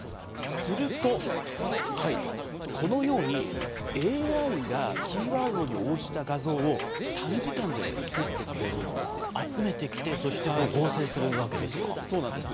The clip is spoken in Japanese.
すると、このようにＡＩがキーワードに応じた画像を短時間で作ってくれる集めてきてそして合成するわそうなんです。